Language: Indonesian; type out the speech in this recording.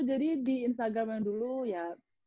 jadi di instagram yang dulu ya